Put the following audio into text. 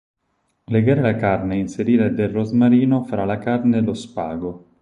Legare la carne e inserire del rosmarino fra la carne e lo spago.